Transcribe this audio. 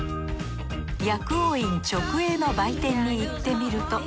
薬王院直営の売店に行ってみると。